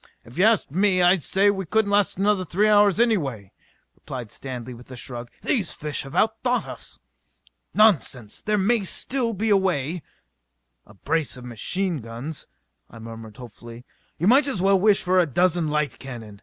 "If you asked me, I'd say we couldn't last another three hours anyway," replied Stanley with a shrug. "These fish have out thought us!" "Nonsense! There may still be a way " "A brace of machine guns...." I murmured hopefully. "You might as well wish for a dozen light cannon!"